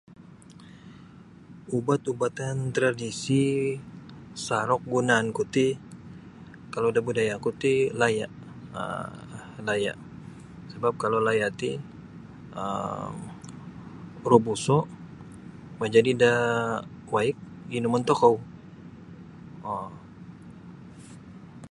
Ubat-ubatan tradisi saruk gunaanku ti kalau da budayaku ti laya' um laya' sabap kalau laya' ti um robuso' majadi da waig inumon tokou um.